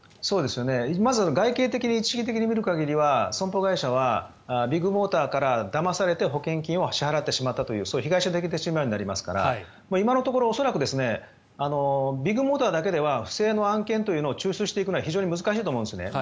まず、外形的に一義的に見る限りは損保会社はビッグモーターからだまされて保険金を支払ってしまったという被害者的な立場になりますから今のところ、恐らくビッグモーターだけでは不正の案件というのを抽出していくのは非常に難しいと思うんですね。